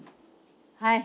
はい。